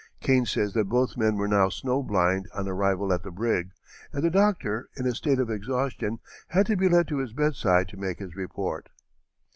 Kane says that both men were snow blind on arrival at the brig, and the doctor, in a state of exhaustion, had to be led to his bedside to make his report.